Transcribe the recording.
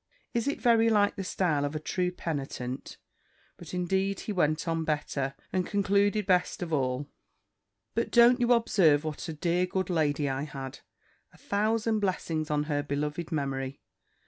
Is it very like the style of a true penitent? But indeed he went on better, and concluded best of all. But don't you observe what a dear good lady I had? A thousand blessings on her beloved memory!